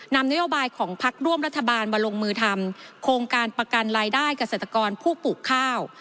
นำนโยบายของพักร่วมรัฐบาลมาลงมือทำโครงการประกันรายได้เกษตรกรผู้ปลูกข้าว